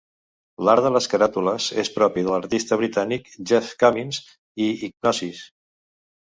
L'art de les caràtules és propi de l'artista britànic Jeff Cummins i d'Hipgnosis.